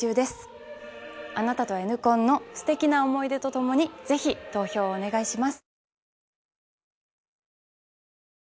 あなたとＮコンのすてきな思い出とともにぜひ投票をお願いします！